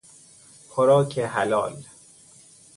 خوراک حلال